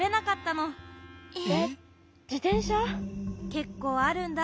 けっこうあるんだ。